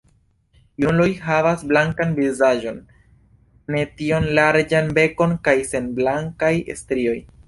Junuloj havas blankan vizaĝon, ne tiom larĝan bekon kaj sen blankaj strioj.